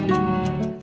cho nó thấy